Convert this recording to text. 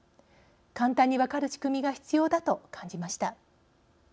簡単に分かる仕組みが必要だと感じました。